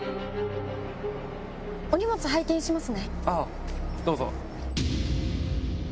あぁどうぞ。